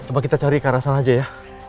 coba kita cari ke arah sana aja ya